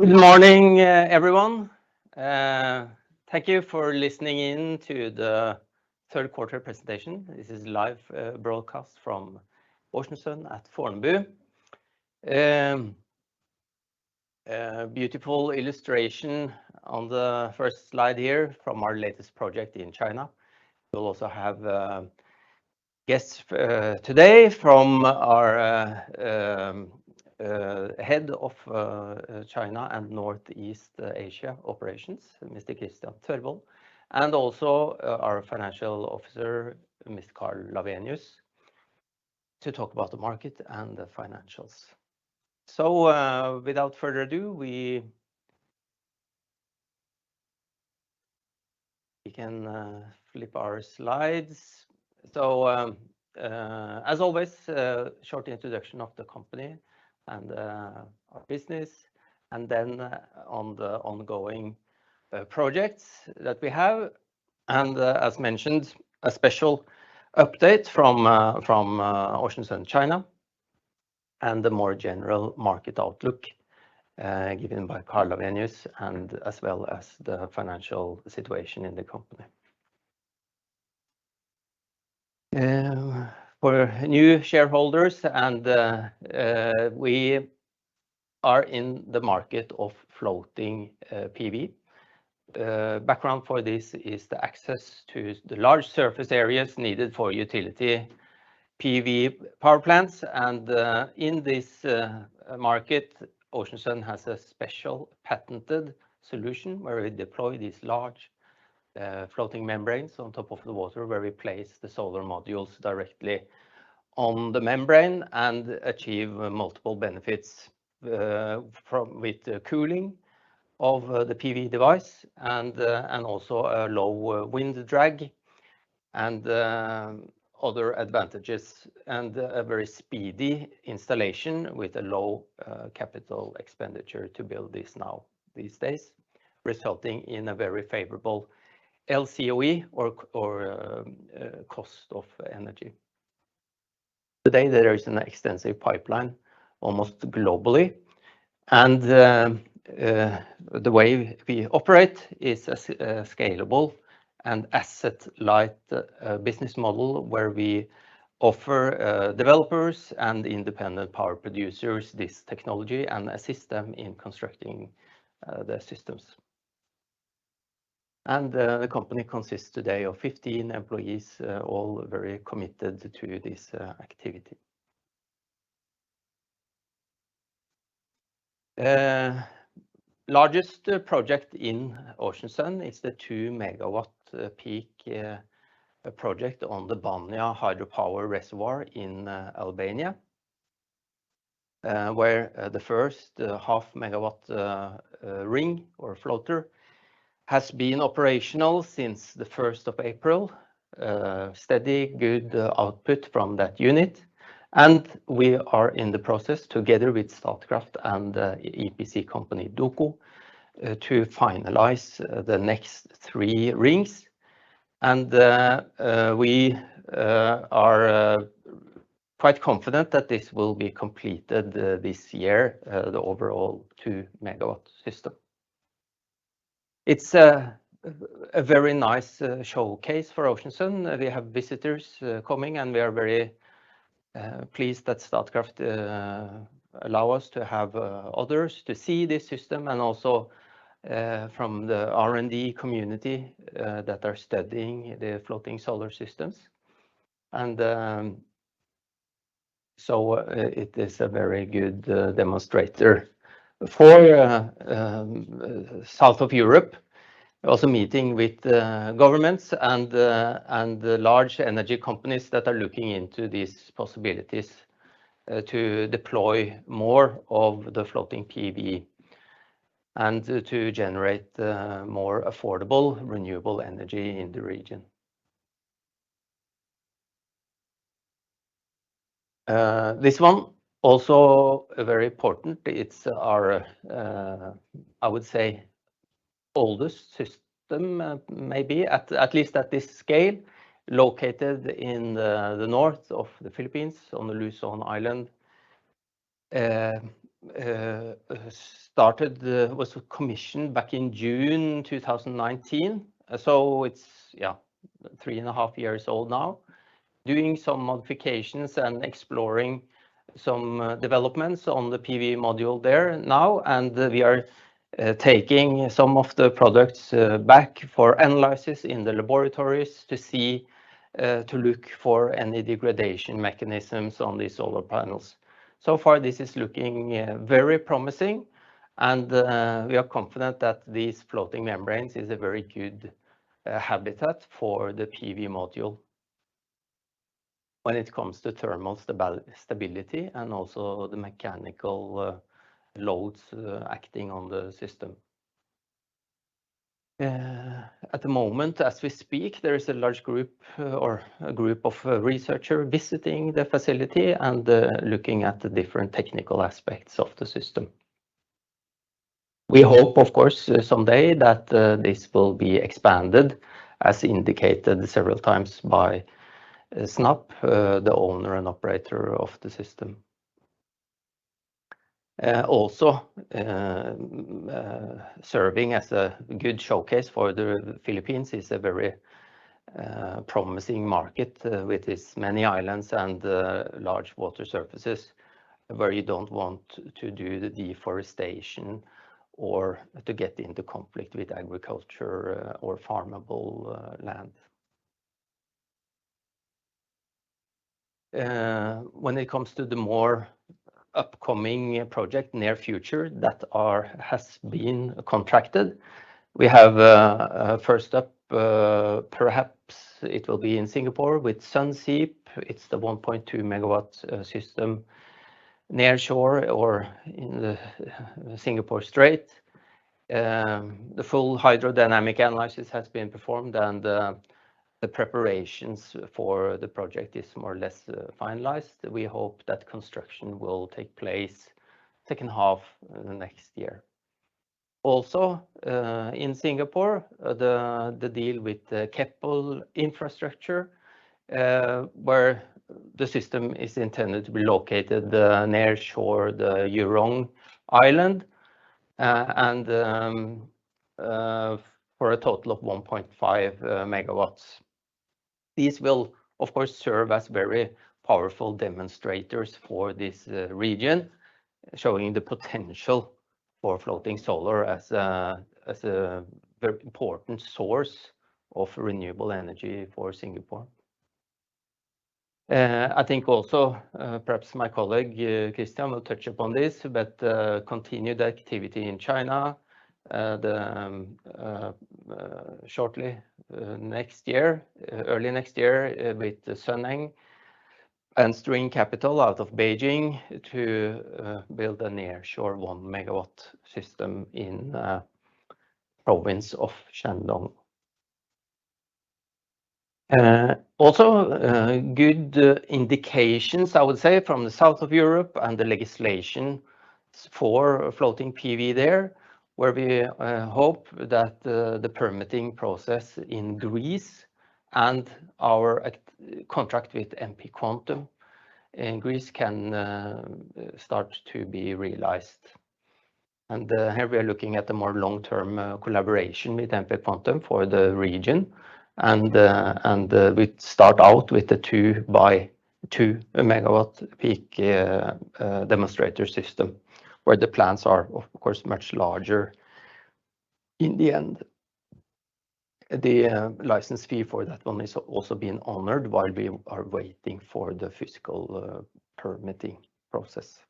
Good morning, everyone. Thank you for listening in to the Q3 presentation. This is live broadcast from Ocean Sun at Fornebu. A beautiful illustration on the first slide here from our latest project in China. We'll also have guests today from our head of China and Northeast Asia operations, Mr. Kristian Tørvold, and also our financial officer, Mr. Karl Lawenius, to talk about the market and the financials. Without further ado, we can flip our slides. As always, a short introduction of the company and our business, and then on the ongoing projects that we have. As mentioned, a special update from Ocean Sun China, and the more general market outlook given by Karl Lawenius and as well as the financial situation in the company. For new shareholders and we are in the market of floating PV. Background for this is the access to the large surface areas needed for utility PV power plants. In this market, Ocean Sun has a special patented solution where we deploy these large floating membranes on top of the water, where we place the solar modules directly on the membrane and achieve multiple benefits with the cooling of the PV device and also a low wind drag and other advantages, and a very speedy installation with a low capital expenditure to build this now, these days, resulting in a very favorable LCOE or cost of energy. Today, there is an extensive pipeline, almost globally, and the way we operate is a scalable and asset-light business model where we offer developers and independent power producers this technology and assist them in constructing their systems. The company consists today of 15 employees, all very committed to this activity. Largest project in Ocean Sun is the 2 MW peak project on the Banja Hydropower Reservoir in Albania, where the first 0.5 MW ring or floater has been operational since the first of April. Steady good output from that unit. We are in the process together with Statkraft and EPC company, DNV, to finalize the next 3 rings. We are quite confident that this will be completed this year, the overall 2 MW system. It's a very nice showcase for Ocean Sun. We have visitors coming, and we are very pleased that Statkraft allow us to have others to see this system and also from the R&D community that are studying the floating solar systems. It is a very good demonstrator. For south of Europe, also meeting with governments and large energy companies that are looking into these possibilities to deploy more of the floating PV and to generate more affordable, renewable energy in the region. This one also very important. It's our, I would say, oldest system, maybe at least at this scale, located in the north of the Philippines on the Luzon Island. Was commissioned back in June 2019. It's 3.5 years old now. Doing some modifications and exploring some developments on the PV module there now, and we are taking some of the products back for analysis in the laboratories to see to look for any degradation mechanisms on these solar panels. So far, this is looking very promising, and we are confident that these floating membranes is a very good habitat for the PV module when it comes to thermal stability and also the mechanical loads acting on the system. At the moment, as we speak, there is a large group or a group of researcher visiting the facility and looking at the different technical aspects of the system. We hope, of course, someday that this will be expanded, as indicated several times by SN Power, the owner and operator of the system. Serving as a good showcase for the Philippines is a very promising market with its many islands and large water surfaces where you don't want to do deforestation or to get into conflict with agriculture or farmable land. When it comes to the more upcoming projects in the near future that have been contracted, we have first up, perhaps it will be in Singapore with Sunseap. It's the 1.2 MW system nearshore or in the Singapore Strait. The full hydrodynamic analysis has been performed, and the preparations for the project is more or less finalized. We hope that construction will take place in the second half of next year. In Singapore, the deal with the Keppel Infrastructure, where the system is intended to be located nearshore to the Jurong Island and for a total of 1.5 megawatts. These will, of course, serve as very powerful demonstrators for this region, showing the potential for floating solar as a very important source of renewable energy for Singapore. I think also, perhaps my colleague, Kristian Tørvold, will touch upon this, but continued activity in China, shortly next year, early next year with Sunneng and String Capital out of Beijing to build a nearshore 1 megawatt system in province of Shandong. Also, good indications, I would say, from the south of Europe and the legislation for floating PV there, where we hope that the permitting process in Greece and our contract with MP Quantum in Greece can start to be realized. We start out with the 2 by 2 megawatt peak demonstrator system, where the plants are, of course, much larger in the end. The license fee for that one is also being honored while we are waiting for the physical permitting process.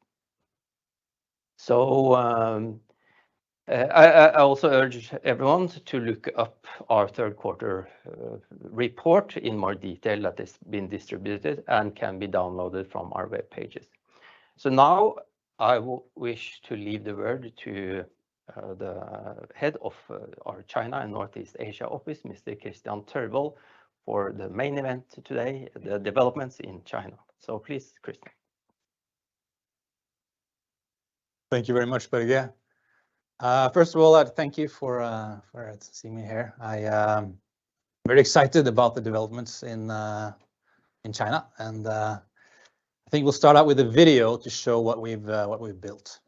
I also urge everyone to look up our Q3 report in more detail that has been distributed and can be downloaded from our web pages. Now I will wish to leave the word to the head of our China and Northeast Asia office, Mr. Kristian Tørvold, for the main event today, the developments in China. Please, Kristian. Thank you very much, Børge. First of all, I thank you for seeing me here. I very excited about the developments in China. I think we'll start out with a video to show what we've built.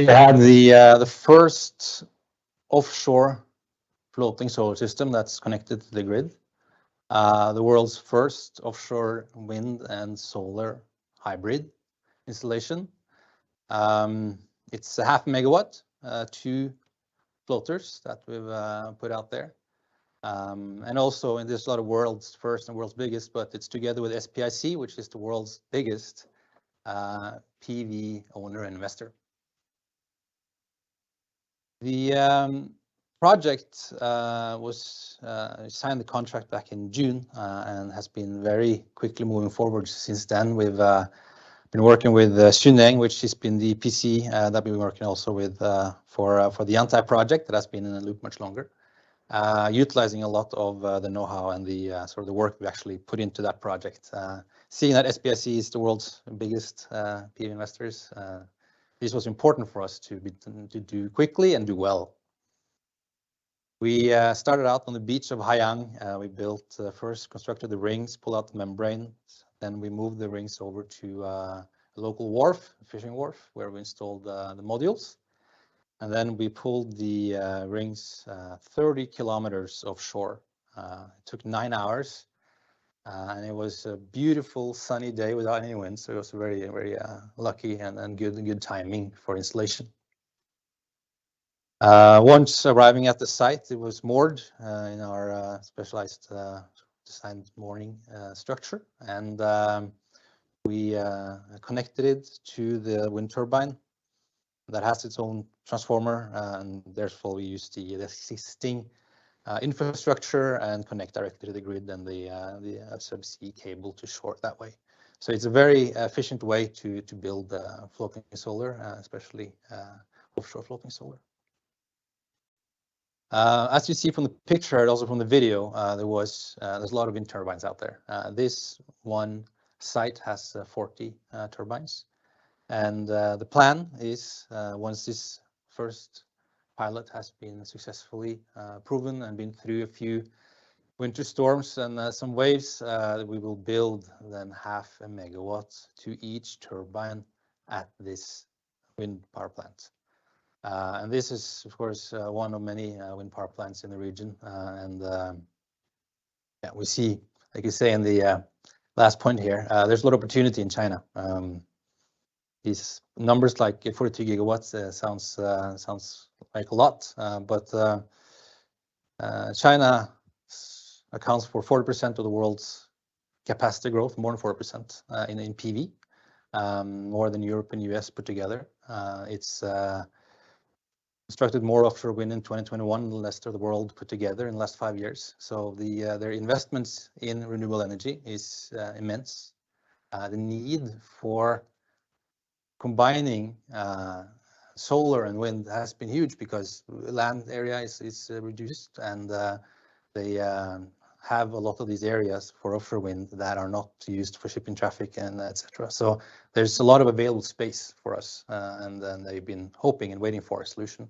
Today we have the first offshore floating solar system that's connected to the grid. The world's first offshore wind and solar hybrid installation. It's a half megawatt, two floaters that we've put out there. Also there's a lot of world's first and world's biggest, but it's together with SPIC, which is the world's biggest PV owner and investor. The project was signed the contract back in June and has been very quickly moving forward since then. We've been working with Sunneng, which has been the EPC that we've been working also with for the EPC project that has been in the loop much longer. Utilizing a lot of the know-how and sort of the work we actually put into that project. Seeing that SPIC is the world's biggest PV investors, this was important for us to do quickly and do well. We started out on the beach of Haiyang. We first constructed the rings, pulled out the membranes, then we moved the rings over to a local wharf, fishing wharf, where we installed the modules. Then we pulled the rings 30 km offshore. Took 9 hours, and it was a beautiful sunny day without any wind. It was very lucky and good timing for installation. Once arriving at the site, it was moored in our specialized designed mooring structure. We connected it to the wind turbine that has its own transformer, and therefore we use the existing infrastructure and connect directly to the grid, then the subsea cable to shore that way. It's a very efficient way to build floating solar, especially offshore floating solar. As you see from the picture and also from the video, there's a lot of wind turbines out there. This one site has 40 turbines. The plan is, once this first pilot has been successfully proven and been through a few winter storms and some waves, we will build then half a megawatt to each turbine at this wind power plant. This is, of course, one of many wind power plants in the region. We see, like you say, in the last point here, there's a lot of opportunity in China. These numbers like 42 gigawatts sounds like a lot. China accounts for 40% of the world's capacity growth, more than 40% in PV, more than Europe and U.S. put together. It's constructed more offshore wind in 2021 than the rest of the world put together in the last 5 years. Their investments in renewable energy is immense. The need for combining solar and wind has been huge because land area is reduced, and they have a lot of these areas for offshore wind that are not used for shipping traffic and et cetera. There's a lot of available space for us. They've been hoping and waiting for a solution.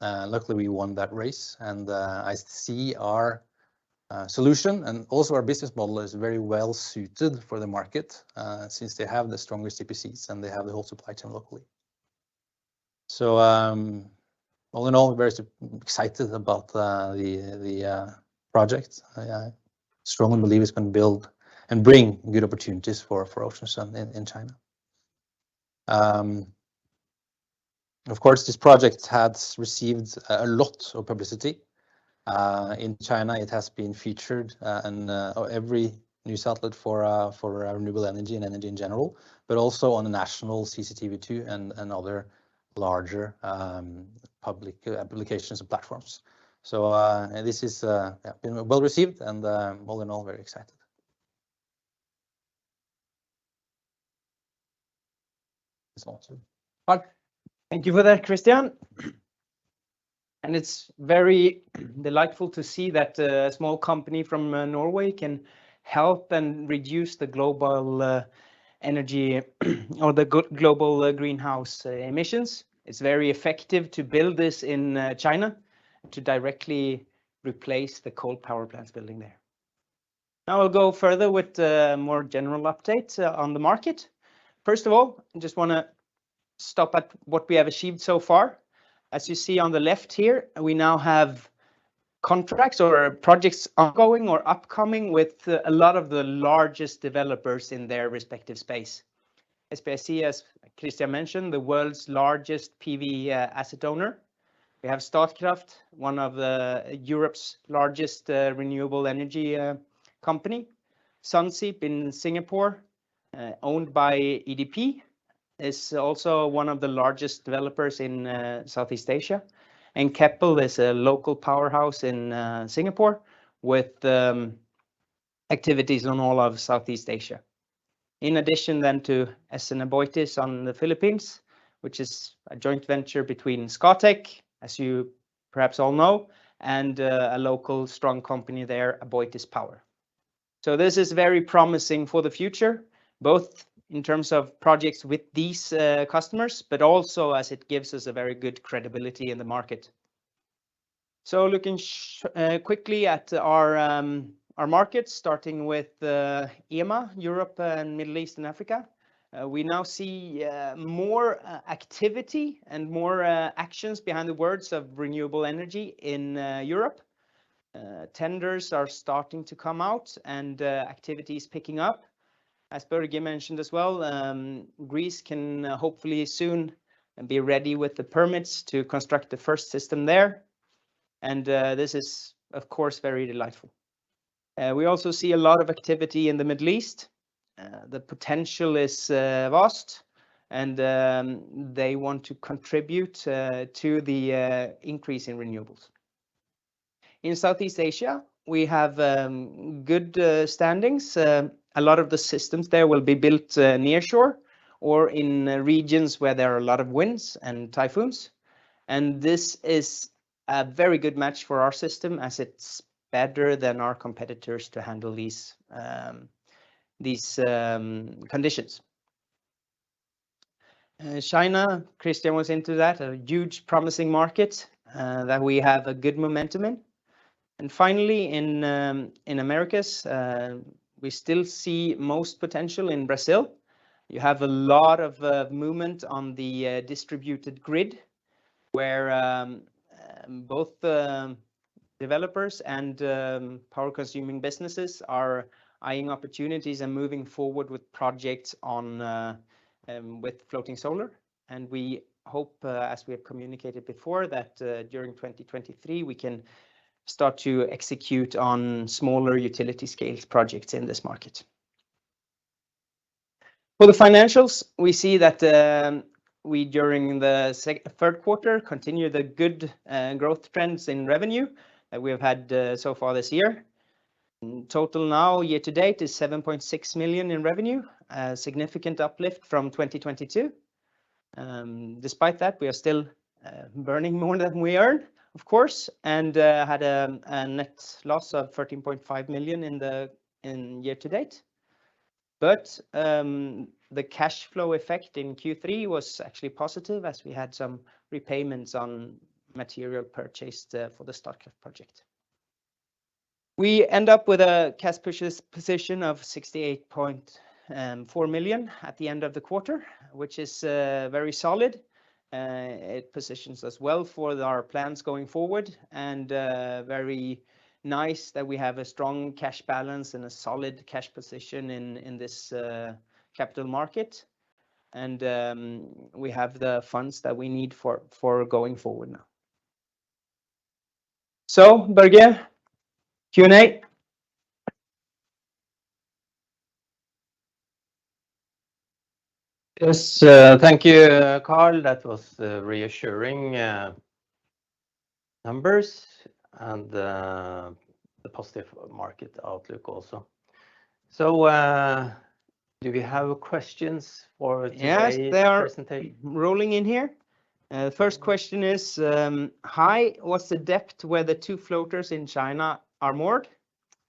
Luckily, we won that race, and I see our solution and also our business model is very well suited for the market since they have the strongest EPCs, and they have the whole supply chain locally. All in all, very excited about the project. I strongly believe it's gonna build and bring good opportunities for Ocean Sun in China. Of course, this project has received a lot of publicity. In China, it has been featured in every news outlet for renewable energy and energy in general, but also on the national CCTV-2 and other larger public applications and platforms. This is, yeah, been well-received, and all in all, very excited. That's awesome. Well, thank you for that, Kristian. It's very delightful to see that a small company from Norway can help and reduce the global energy or the global greenhouse emissions. It's very effective to build this in China to directly replace the coal power plants building there. Now we'll go further with a more general update on the market. First of all, I just wanna stop at what we have achieved so far. As you see on the left here, we now have contracts or projects ongoing or upcoming with a lot of the largest developers in their respective space. SPIC, as Kristian mentioned, the world's largest PV asset owner. We have Statkraft, one of Europe's largest renewable energy company. Sunseap in Singapore, owned by EDP, is also one of the largest developers in Southeast Asia. Keppel is a local powerhouse in Singapore with activities on all of Southeast Asia. In addition then to SN Aboitiz on the Philippines, which is a joint venture between Scatec, as you perhaps all know, and a local strong company there, AboitizPower. This is very promising for the future, both in terms of projects with these customers, but also as it gives us a very good credibility in the market. Looking quickly at our market, starting with EMEA, Europe and Middle East and Africa, we now see more activity and more actions behind the words of renewable energy in Europe. Tenders are starting to come out, and activity is picking up. As Børge mentioned as well, Greece can hopefully soon be ready with the permits to construct the first system there. This is, of course, very delightful. We also see a lot of activity in the Middle East. The potential is vast, and they want to contribute to the increase in renewables. In Southeast Asia, we have good standings. A lot of the systems there will be built nearshore or in regions where there are a lot of winds and typhoons. This is a very good match for our system, as it's better than our competitors to handle these conditions. China, Kristian was into that, a hugely promising market that we have a good momentum in. Finally, in the Americas, we still see most potential in Brazil. You have a lot of movement on the distributed grid, where both developers and power consuming businesses are eyeing opportunities and moving forward with projects on with floating solar. We hope, as we have communicated before, that during 2023 we can start to execute on smaller utility scale projects in this market. For the financials, we see that we during the Q3 continue the good growth trends in revenue that we have had so far this year. In total now, year to date, is 7.6 million in revenue. Significant uplift from 2022. Despite that we are still burning more than we earn, of course, and had a net loss of 13.5 million in year to date. The cash flow effect in Q3 was actually positive as we had some repayments on material purchased for the Statkraft project. We end up with a cash position of 68.4 million at the end of the quarter, which is very solid. It positions us well for our plans going forward and very nice that we have a strong cash balance and a solid cash position in this capital market. We have the funds that we need for going forward now. Børge, Q&A. Yes, thank you, Karl. That was reassuring numbers and the positive market outlook also. Do we have questions for today's presentation? Yes, they are rolling in here. The first question is, "Hi, what's the depth where the two floaters in China are moored?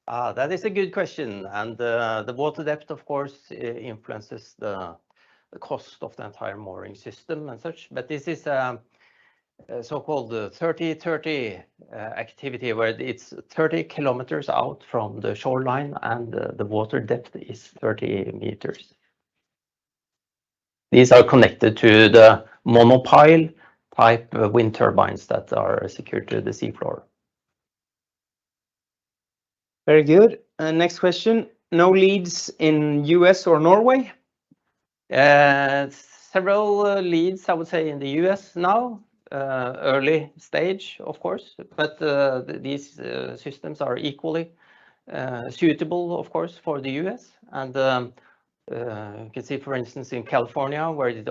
That is a good question. The water depth, of course, influences the cost of the entire mooring system and such. This is a so-called 30-30 activity, where it's 30 km out from the shoreline and the water depth is 30 m. These are connected to the monopile pipe wind turbines that are secured to the sea floor. Very good. Next question, "No leads in U.S. or Norway? Several leads, I would say, in the US now. Early stage of course, but these systems are equally suitable of course for the US and you can see for instance in California where you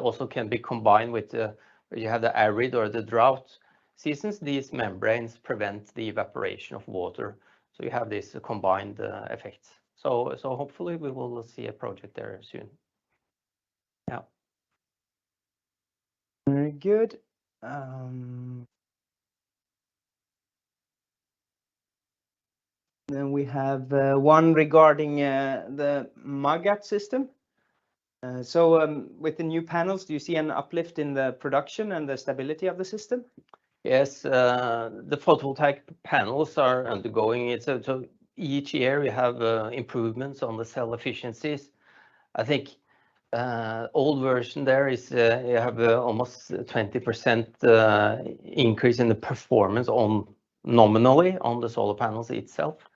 have the arid or the drought seasons, these membranes prevent the evaporation of water, so you have this combined effect. Hopefully we will see a project there soon. Very good. We have one regarding the Magat system. With the new panels, do you see an uplift in the production and the stability of the system? Each year we have improvements on the cell efficiencies. I think old version there is you have almost 20% increase in the performance of, nominally, of the solar panels itself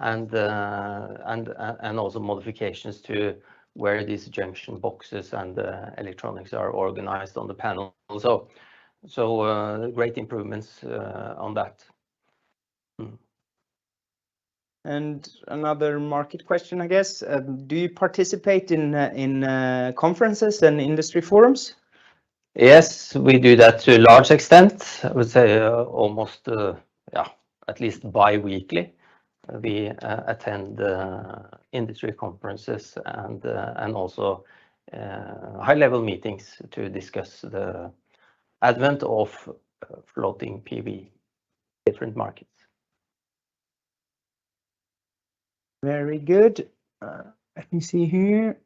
and also modifications to where these junction boxes and electronics are organized on the panel. Great improvements on that. Another market question, I guess. Do you participate in conferences and industry forums? Yes, we do that to a large extent. I would say, almost, yeah, at least bi-weekly, we attend industry conferences and also high-level meetings to discuss the advent of floating PV different markets. Very good. Let me see here.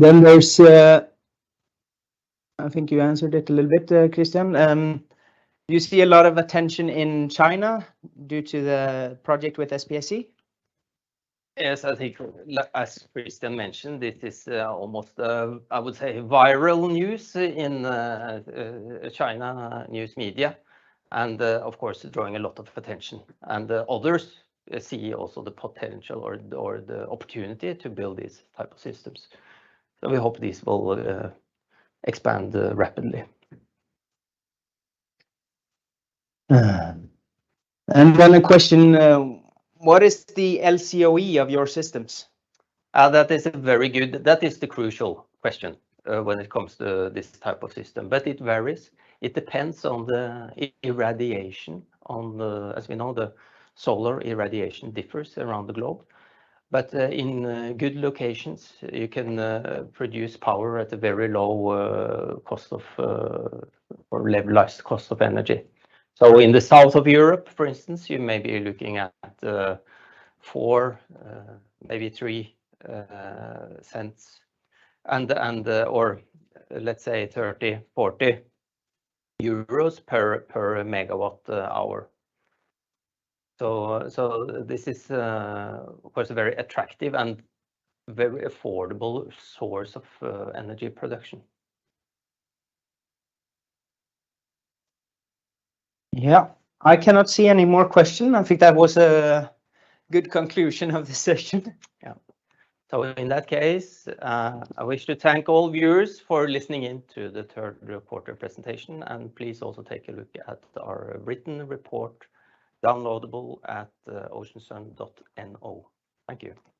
I think you answered it a little bit, Kristian. Do you see a lot of attention in China due to the project with SPIC? Yes, I think as Kristian mentioned, this is almost, I would say, viral news in China news media and, of course, drawing a lot of attention. Others see also the potential or the opportunity to build these type of systems. We hope this will expand rapidly. One question, what is the LCOE of your systems? That is the crucial question when it comes to this type of system. It varies. It depends on the irradiation. As we know, the solar irradiation differs around the globe. In good locations, you can produce power at a very low cost, or levelized cost of energy. In the south of Europe, for instance, you may be looking at 4, maybe 3, cents, or let's say 30-40 euros per MWh. This is, of course, a very attractive and very affordable source of energy production. Yeah. I cannot see any more questions. I think that was a good conclusion of the session. Yeah. In that case, I wish to thank all viewers for listening in to the Q3 presentation, and please also take a look at our written report downloadable at oceansun.no. Thank you.